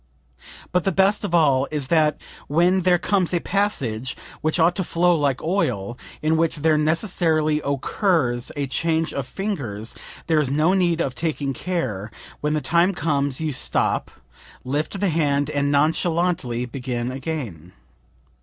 But the best of all is that when there comes a passage (which ought to flow like oil) in which there necessarily occurs a change of fingers, there is no need of taking care; when the time comes you stop, lift the hand and nonchalantly begin again.